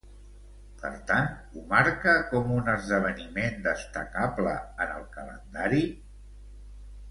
Per tant, ho marca com un esdeveniment destacable en el calendari?